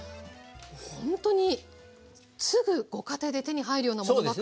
ほんとにすぐご家庭で手に入るようなものばかり。